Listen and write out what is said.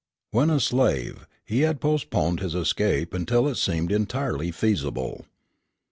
When a slave, he had postponed his escape until it seemed entirely feasible.